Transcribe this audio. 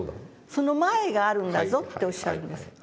「その前があるんだぞ」っておっしゃるんです。